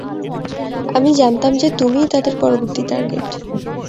আমি জানতাম যে, তুমিই তাদের পরবর্তী টার্গেট।